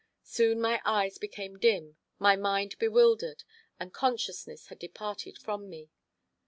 Soon my eyes became dim, my mind bewildered, and consciousness had departed from me.